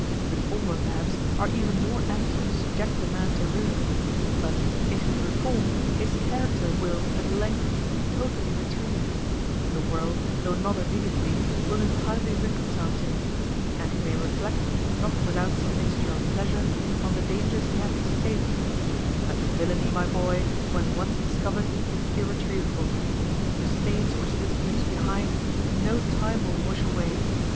The former, perhaps, are even more apt to subject a man to ruin; but if he reform, his character will, at length, be totally retrieved; the world, though not immediately, will in time be reconciled to him; and he may reflect, not without some mixture of pleasure, on the dangers he hath escaped; but villany, my boy, when once discovered is irretrievable; the stains which this leaves behind, no time will wash away.